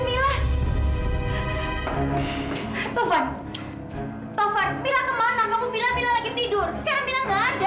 mila kemanaan tuh sih mila